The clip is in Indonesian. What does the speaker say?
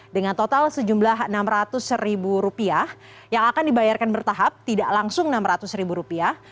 dengan total sejumlah enam ratus ribu rupiah yang akan dibayarkan bertahap tidak langsung enam ratus ribu rupiah